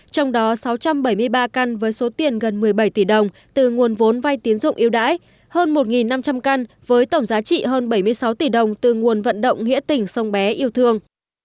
trong đó sáu trăm bảy mươi ba căn với số tiền gần một mươi bảy tỷ đồng từ nguồn vốn vai tiến dụng yêu đáy hơn một năm trăm linh căn với tổng giá trị hơn bảy mươi sáu tỷ đồng từ nguồn vận động nghĩa tỉnh sông bé yêu thương